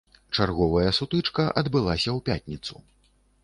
Чарговая сутычка адбылася ў пятніцу.